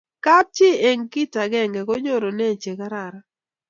kap chi eng kit akenge ko nyorune che kararan